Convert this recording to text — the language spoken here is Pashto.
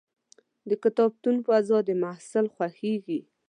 د کتابتون فضا د محصل خوښېږي.